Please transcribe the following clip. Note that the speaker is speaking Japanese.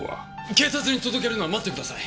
警察に届けるのは待ってください。